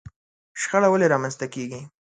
شخړه ولې رامنځته کېږي؟